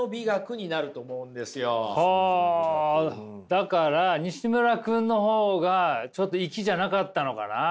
だからにしむら君の方がちょっといきじゃなかったのかな？